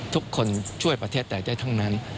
ทุกคนช่วยประเทศแต่ใจเท่านั้น